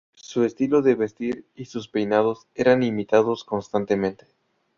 Su estilo de vestir y sus peinados eran imitados constantemente.